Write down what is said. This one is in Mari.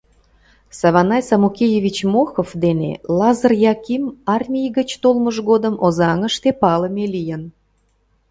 Саванай Самукеевич Мохов дене Лазыр Яким армий гыч толмыж годым Озаҥыште палыме лийын.